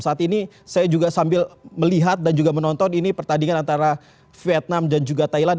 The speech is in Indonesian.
saat ini saya juga sambil melihat dan juga menonton ini pertandingan antara vietnam dan juga thailand